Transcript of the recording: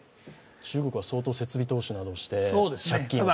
中国は相当設備投資などをして、借金を背負わせて。